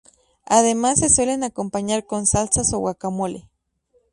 Además se suelen acompañar con salsas o guacamole.